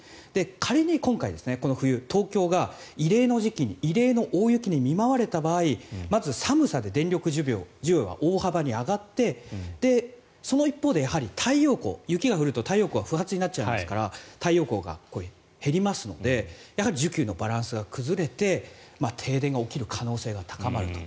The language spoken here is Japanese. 仮に今回、この冬東京が異例の時期に異例の大雪に見舞われた場合まず、寒さで電力需要は大幅に上がってその一方で太陽光雪が降ると太陽光は不発になっちゃいますから太陽光が減りますのでやはり需給のバランスが崩れて停電が起きる可能性が高まると。